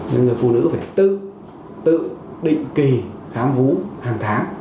nên người phụ nữ phải tự định kỳ khám vú hàng tháng